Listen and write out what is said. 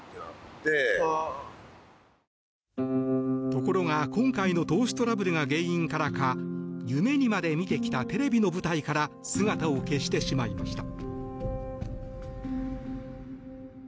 ところが今回の投資トラブルが原因からか夢にまで見てきたテレビの舞台から姿を消してしまいました。